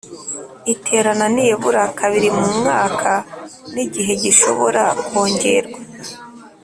Iterana nibura kabiri mu mwaka n’igihe gishobora kongerwa